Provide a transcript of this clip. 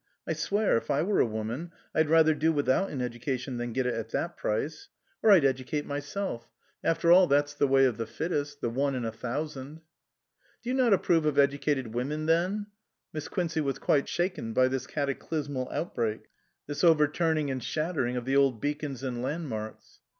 I swear, if I were a woman, I'd rather do without an education than get it at that price. Or I'd educate myself. 270 UNDER A BLUE MOON After all, that's the way of the fittest the one in a thousand." "Do you not approve of educated women then ?" Miss Quincey was quite shaken by this cataclysmal outbreak, this overturning and shattering of the old beacons and landmarks.